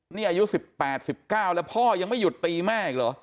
เนี่ยอายุสิบแปดสิบเก้าแล้วพ่อยังไม่หยุดตีแม่อีกเหรอ